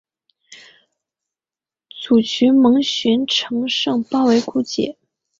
沮渠蒙逊乘胜包围姑臧。